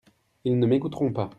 Ils ne m'écouteront pas.